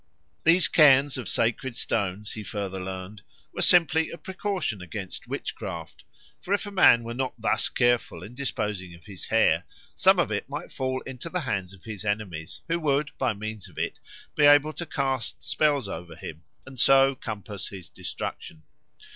These cairns of sacred stones, he further learned, were simply a precaution against witchcraft, for if a man were not thus careful in disposing of his hair, some of it might fall into the hands of his enemies, who would, by means of it, be able to cast spells over him and so compass his destruction.